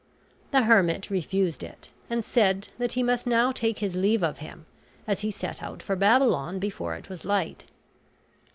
The hermit refused it, and said that he must now take his leave of him, as he set out for Babylon before it was light.